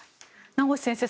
名越先生